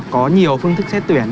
có nhiều phương thức xét tuyển